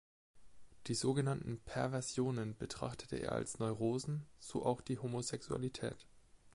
Die sogenannten Perversionen betrachtete er als Neurosen, so auch die Homosexualität.